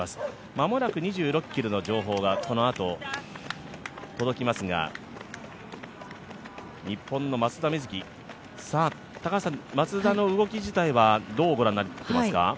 間もなく２６ｋｍの情報がこのあと届きますが日本の松田瑞生、松田の動き自体は、どうご覧になっていますか？